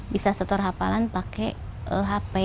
bisa setor hafalan pakai hp